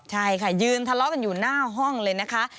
ใช่ค่ะยืนทะเลาะกันอยู่หน้าห้องเลยนะคะ